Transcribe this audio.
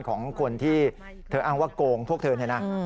ของคนที่เธออ้างว่าโกงพวกเธอเนี่ยนะ